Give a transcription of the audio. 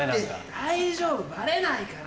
大丈夫バレないから。